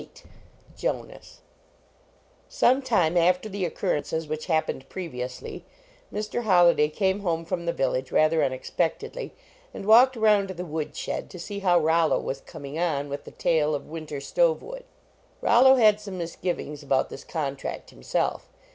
102 JONAS VIII OMK time after the oc currences which happened previously, Mr. Holliday came home from the vil lage rather unexpectedly, and walked around to the wood shed to see how Rollo was coming on with the tale of winter stove wood. Rollo had some misgivings about this contract himself.